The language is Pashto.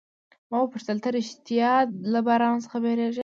ما وپوښتل، ته ریښتیا له باران څخه بیریږې؟